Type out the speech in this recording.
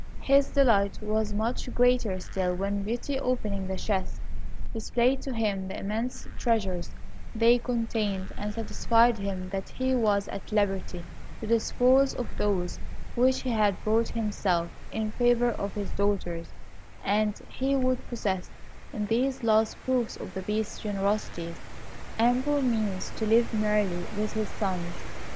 His delight was much greater still when Beauty, opening the chests, displayed to him the immense treasures they contained, and satisfied him that he was at liberty to dispose of those which he had brought himself, in favour of his daughters, as he would possess, in these last proofs of the Beast's generosity, ample means to live merrily with his sons.